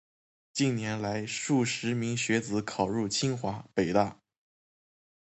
近年来，数十名学子考入清华、北大